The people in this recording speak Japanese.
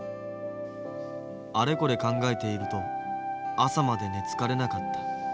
あれこれ考えていると朝まで寝つかれなかった。